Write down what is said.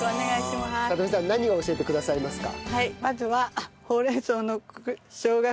里美さん何を教えてくださいますか？